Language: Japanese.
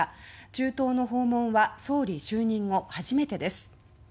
中東の訪問は総理就任後初めてです。